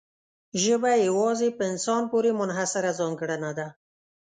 ژبه یوازې په انسان پورې منحصره ځانګړنه ده.